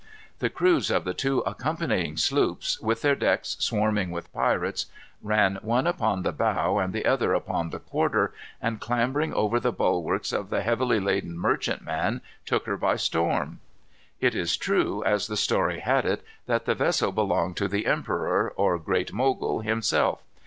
The crews of the two accompanying sloops, with their decks swarming with pirates, ran one upon the bow and the other upon the quarter, and clambering over the bulwarks of the heavily laden merchantman, took her by storm. It is true, as the story had it, that the vessel belonged to the emperor, or Great Mogul, himself.